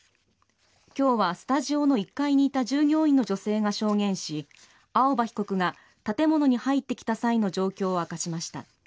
今日は、スタジオの１階にいた従業員の女性が証言し青葉被告が建物に入ってきた際の状況を明かしました。